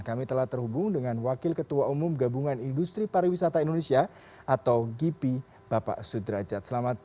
kami telah terhubung dengan wakil ketua umum gabungan industri pariwisata indonesia atau gipi bapak sudrajat